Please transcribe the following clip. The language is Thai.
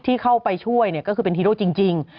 ที่เข้าไปช่วยก็คือเป็นฮีโร่จริง